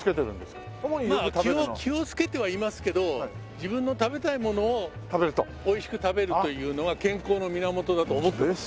まあ気をつけてはいますけど自分の食べたいものを美味しく食べるというのは健康の源だと思ってます。